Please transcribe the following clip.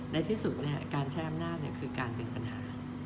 ในที่สุดเนี่ยการใช้อำนาจเนี่ยคือการเป็นปัญหา